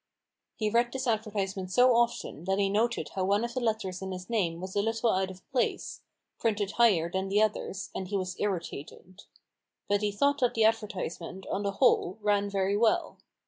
He read this advertisement so often, that he noted how one of the letters in his name was HUGO RAVEN S HAND. 145 a little out of place — printed higher than the others, and he was irritated. But he thought that the advertisement, on the whole, ran very well.